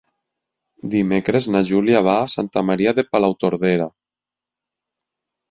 Dimecres na Júlia va a Santa Maria de Palautordera.